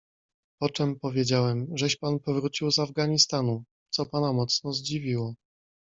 "Poczem powiedziałem, żeś pan powrócił z Afganistanu, co pana mocno zdziwiło."